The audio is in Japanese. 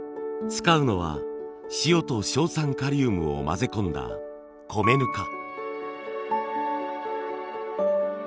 使うのは塩と硝酸カリウムを混ぜ込んだ米ぬか。